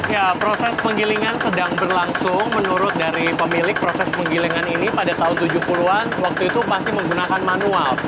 ya proses penggilingan sedang berlangsung menurut dari pemilik proses penggilingan ini pada tahun tujuh puluh an waktu itu pasti menggunakan manual